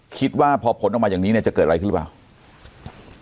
คิดว่าพอผลออกมาอย่างนี้เนี่ยจะเกิดอะไรขึ้นหรือเปล่า